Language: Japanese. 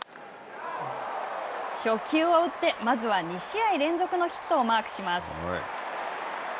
初球を打ってまずは２試合連続のヒットをマークします。